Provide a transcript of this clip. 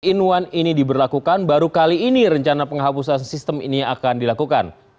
tiga in satu ini diberlakukan baru kali ini rencana penghapusan sistem ini akan dilakukan